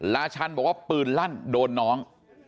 ราชันฝ่ายบอกว่าปืนลั่นโดนน้อง